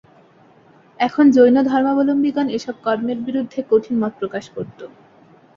এখন জৈনধর্মাবলম্বিগণ এ-সব কর্মের বিরুদ্ধে কঠিন মত প্রকাশ করত।